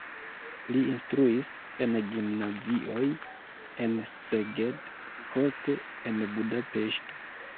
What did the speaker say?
Li instruis en gimnazioj en Szeged, poste en Budapeŝto.